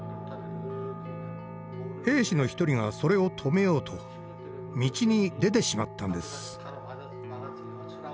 兵士の１人がそれを止めようと道に出てしまったんです。